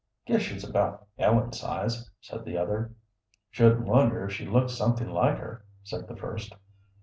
"Guess she's about Ellen's size," said the other. "Shouldn't wonder if she looked something like her," said the first.